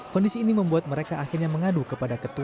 kondisi ini membuat mereka akhirnya mengadu kepada ketua